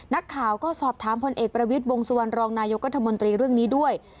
นักข่าวก็สอบถามพลเอกประวิทย์วงสุวรรณรองนายกรัฐมนตรีเรื่องนี้ด้วย